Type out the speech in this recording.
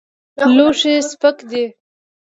لوښی سپک دی.